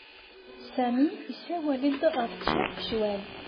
Sami yessawel-d ɣef tcirqecwalt.